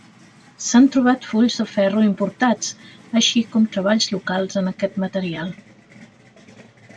S'han trobat fulls de ferro importats, així com treballs locals en aquest material.